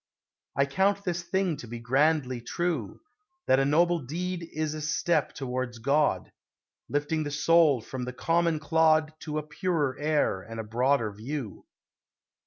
I count this thing to be grandly true: That a noble deed is a step towards God, Lifting the soul from the common clod To a purer air and a broader view.